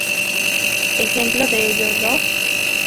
Ejemplo de ello los